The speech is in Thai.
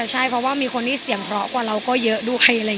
น่าจะใช่เพราะว่ามีคนที่เสี่ยงเพราะกว่าเราก็เยอะดูใครอะไรอย่างนี้ฮะ